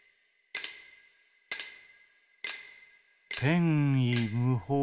「てんいむほう」。